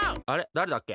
だれだっけ？